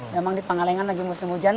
memang dipengalengkan lagi musim hujan